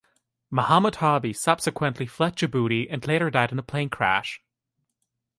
Mahamoud Harbi subsequently fled Djibouti, and later died in a plane crash.